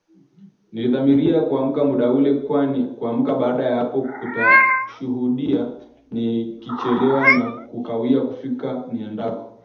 Nilidhamiria kuamka muda ule kwani kuamka baada ya hapo kutanishuhudia nikichelewa na kukawia kufika niendako